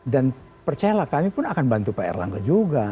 dan percayalah kami pun akan bantu pak erlangga juga